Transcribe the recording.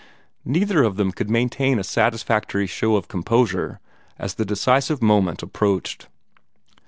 Neither of them could maintain a satisfactory show of composure as the decisive moment approached.